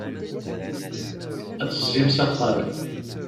Ad d-tezim s axxam.